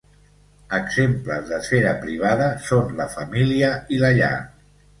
Exemples d'esfera privada són la família i la llar.